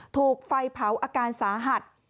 ถูกไฟเผาอาการสาหัส